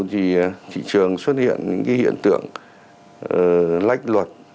thì thị trường xuất hiện những cái hiện tượng lách luật